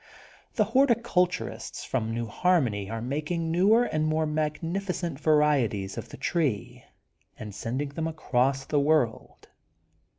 The hor ticulturists from New Harmony are making newer and more magnificent varieties of the tree and sending them across the world.